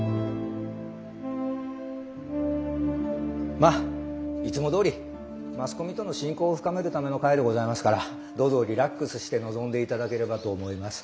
まいつもどおりマスコミとの親交を深めるための会でございますからどうぞリラックスして臨んでいただければと思います。